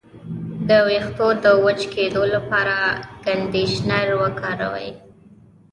د ویښتو د وچ کیدو لپاره کنډیشنر وکاروئ